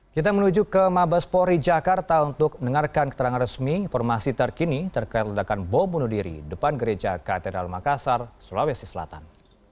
kita menuju ke mabespori jakarta untuk mendengarkan keterangan resmi informasi terkini terkait ledakan bom bunuh diri depan gereja katedral makassar sulawesi selatan